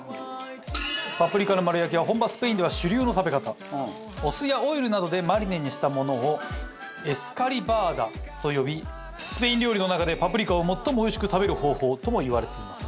パプリカの丸焼きは本場スペインでは主流の食べ方。お酢やオイルなどでマリネにしたものをエスカリバーダと呼びスペイン料理の中でパプリカを最もおいしく食べる方法ともいわれています。